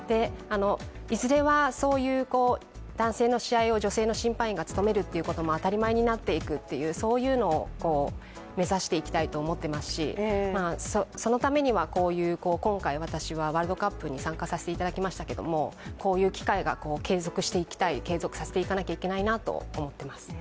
いずれはそういう男性の試合を女性の審判員が務めるっていうことも当たり前になっていく、そういうのを目指していきたいと思っていますし、そのためには、今回、私はワールドカップに参加させていただきましたけどもこういう機会が継続していきたい、継続させていかなければいけないと思ってます